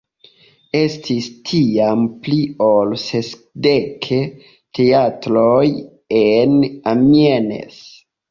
Estis tiam pli ol sesdek teatroj en Amiens.